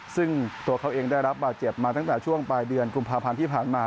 ซึ่งตัวเขาเองได้รับบาดเจ็บมาตั้งแต่ช่วงปลายเดือนกุมภาพันธ์ที่ผ่านมา